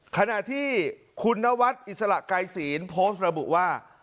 ขณะที่คุณนวัดอิสระไกรศีลโพสต์ระบุว่า